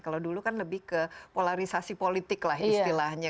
kalau dulu kan lebih ke polarisasi politik lah istilahnya